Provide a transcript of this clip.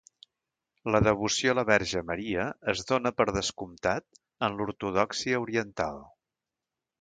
La devoció a la Verge Maria es "dóna per descomptat" en l'ortodòxia oriental.